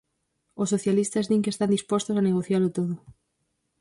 Os socialistas din que están dispostos a negocialo todo.